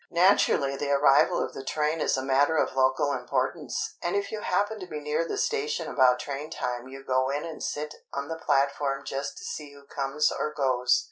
Naturally the arrival of the train is a matter of local importance, and if you happen to be near the station about train time you go in and sit on the platform just to see who comes or goes.